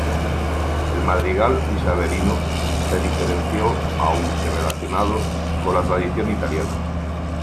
El madrigal isabelino se diferenció, aunque relacionado, con la tradición italiana.